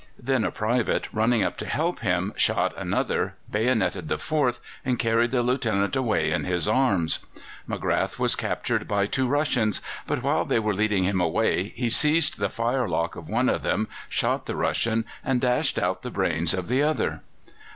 Then a private, running up to help him, shot another, bayonetted the fourth, and carried the Lieutenant away in his arms. MacGrath was captured by two Russians, but while they were leading him away he seized the firelock of one of them, shot the Russian, and dashed out the brains of the other.